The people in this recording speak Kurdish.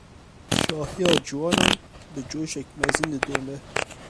Şahiya Ciwanan, bi coşek mezin didome